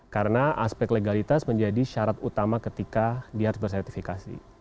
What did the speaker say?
karena aspek legalitas menjadi syarat utama ketika dia harus bersertifikasi